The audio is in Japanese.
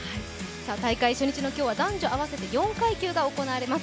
大会初日の今日は男女合わせて４階級が行われます。